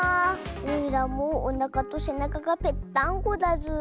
おいらもおなかとせなかがぺっタンゴだズー。